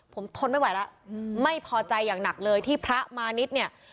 ผมทนไม่ไหวแล้วไม่พอใจอย่างหนักเลยที่พระมานิดเนี่ย